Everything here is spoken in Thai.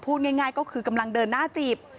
พูดง่ายก็คือกำลังเดินหน้าจีบ